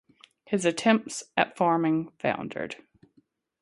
His attempts at farming foundered.